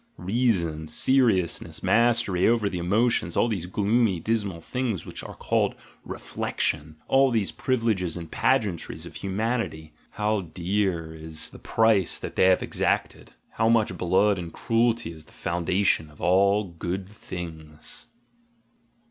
reason, seriousness, mastery over the emotions, all these gloomy, dismal things which are called reflection, all these privileges and pageantries of humanity: how dear is the price that they have exacted! How much blood and cruelty is the foundation of all "good things"!